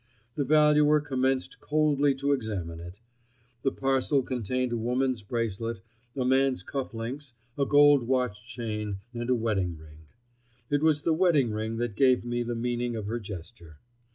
The valuer commenced coldly to examine it. The parcel contained a woman's bracelet, a man's cuff links, a gold watch chain and a wedding ring. It was the wedding ring that gave me the meaning of her gesture.